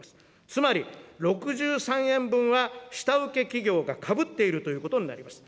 つまり、６３円分は下請け企業がかぶっているということになります。